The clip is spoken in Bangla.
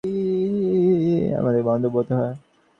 এ-ঘরটি তো আমাদের মন্দ বোধ হয় না।